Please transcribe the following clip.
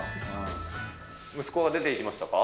息子は出ていきましたか？